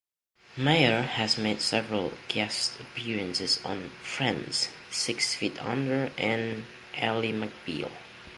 Meyer has made several guest appearances on "Friends", "Six Feet Under" and "Ally McBeal.